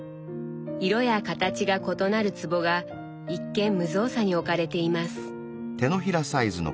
色や形が異なる壺が一見無造作に置かれています。